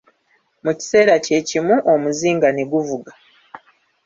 Mu kiseera kye kimu omuzinga ne guvuga.